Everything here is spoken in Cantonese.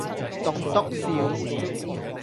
棟篤笑